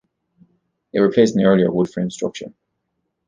It replaced an earlier wood-frame structure.